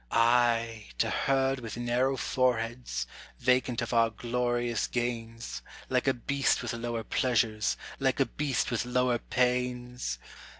I, to herd with narrow foreheads vacant of our glorious gains, Like a beast with lower pleasures, like a beast with lower pains!